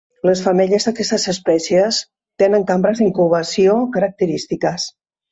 Les femelles d'aquestes espècies tenen cambres d'incubació característiques.